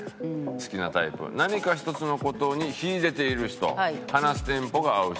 「好きなタイプ何か１つの事に秀でている人話すテンポが合う人